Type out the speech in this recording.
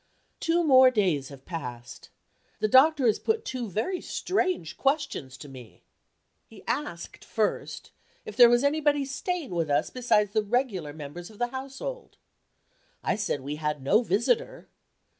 Two days more have passed. The doctor has put two very strange questions to me. He asked, first, if there was anybody staying with us besides the regular members of the household. I said we had no visitor.